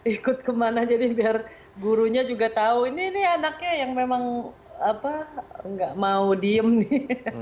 ikut kemana jadi biar gurunya juga tahu ini anaknya yang memang nggak mau diem nih